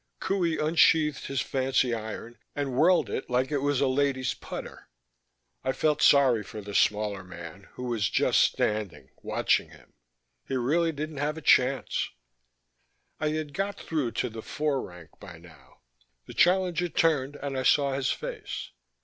Qohey unsheathed his fancy iron and whirled it like it was a lady's putter. I felt sorry for the smaller man, who was just standing, watching him. He really didn't have a chance. I had got through to the fore rank by now. The challenger turned and I saw his face.